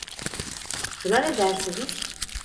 Şuna ne dersiniz?